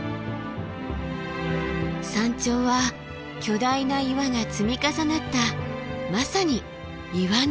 山頂は巨大な岩が積み重なったまさに岩の頂。